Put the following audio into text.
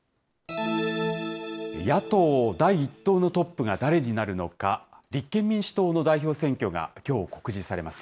野党第１党のトップが誰になるのか、立憲民主党の代表選挙が、きょう告示されます。